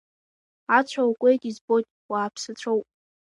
Ацәа уакуеит, избоит, уааԥсацәоуп…